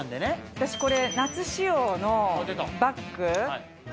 私、これ夏仕様のバッグ。